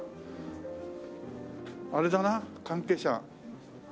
あれだな関係者。